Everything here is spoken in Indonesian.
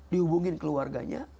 di hubungin keluarganya